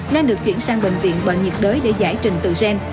nên được chuyển sang bệnh viện bệnh nhiệt đới để giải trình tự gen